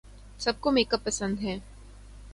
سب کو میک پسند ہیں